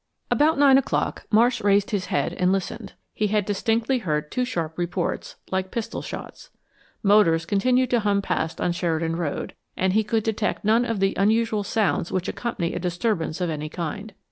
About nine o'clock Marsh raised his head and listened. He had distinctly heard two sharp reports, like pistol shots. Motors continued to hum past on Sheridan Road, and he could detect none of the unusual sounds which accompany a disturbance of any kind.